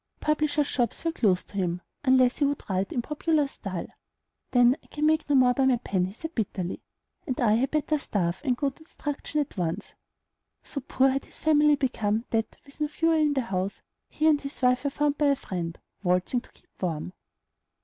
Publishers' shops were closed to him, unless he would write in the popular style. "Then I can make no more by my pen," he said bitterly, "and I had better starve and go to destruction at once." So poor had his family become, that, with no fuel in the house, he and his wife were found by a friend, waltzing to keep warm.